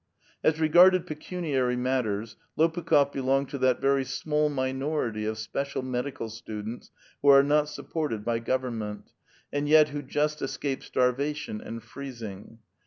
As regarded pecuniary matters Lopukh6f belonged to that very small minority of special medical students who are not supported by government, and yet who just escape stai vation and freezing.